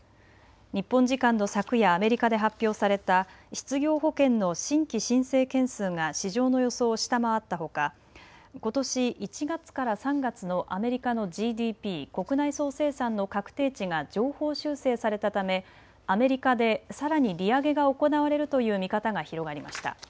日本時間の昨夜、アメリカで発表された失業保険の新規申請件数が市場の予想を下回ったほか、ことし１月から３月のアメリカのＧＤＰ・国内総生産の確定値が上方修正されたためアメリカでさらに利上げが行われるという見方が広がりました。